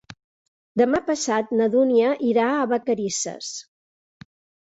Demà passat na Dúnia irà a Vacarisses.